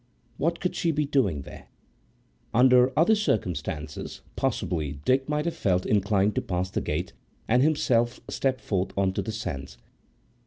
What could she be doing there? Under other circumstances, possibly Dick might have felt inclined to pass the gate and himself step forth on to the sands.